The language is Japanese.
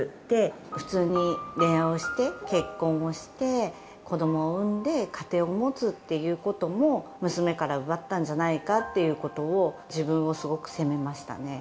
普通に恋愛をして、結婚をして、子どもを産んで、家庭を持つっていうことも、娘から奪ったんじゃないかということを、自分をすごく責めましたね。